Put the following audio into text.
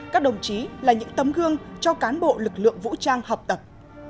các đồng chí là những tấm gương cho cán bộ lực lượng vũ trang học tập